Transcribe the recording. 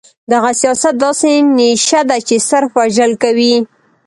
دغه سياست داسې نيشه ده چې صرف وژل کوي.